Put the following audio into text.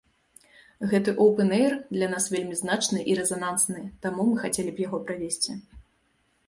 Гэты оўпэн-эйр для нас вельмі значны і рэзанансны, таму мы хацелі б яго правесці.